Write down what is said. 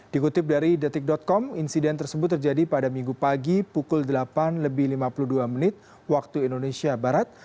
dikutip dari detik com insiden tersebut terjadi pada minggu pagi pukul delapan lebih lima puluh dua menit waktu indonesia barat